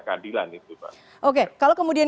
keadilan itu pak oke kalau kemudian